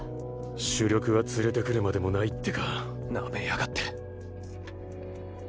主力は連れて来るまでもないってか。ナメやがって。